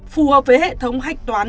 phù hợp với hệ thống hạch toán